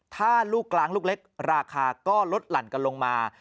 ถ้าลูกกลางลูกเล็กราคาก็ลดหลั่นกันลงมา